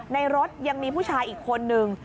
ในรถยังมีผู้ชายอีกคนนึง